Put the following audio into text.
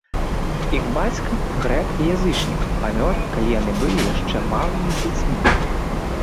Іх бацька, грэк і язычнік, памёр калі яны былі яшчэ малымі дзецьмі.